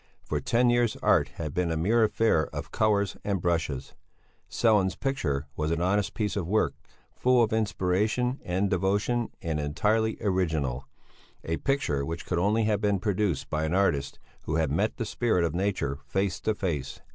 For ten years art had been a mere affair of colours and brushes; Sellén's picture was an honest piece of work, full of inspiration and devotion, and entirely original; a picture which could only have been produced by an artist who had met the spirit of nature face to face.